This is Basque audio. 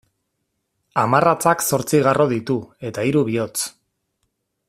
Hamarratzak zortzi garro ditu eta hiru bihotz.